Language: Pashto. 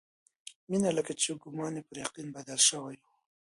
مينه لکه چې ګومان يې پر يقين بدل شوی و.